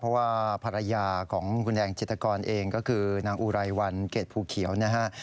เพราะว่าภรรยาของคุณแดงจิตกรเองก็คือนางอุไรวันเกรดภูเขียวนะฮะ